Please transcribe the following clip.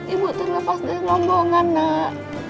ibu terlepas dari rombongan nak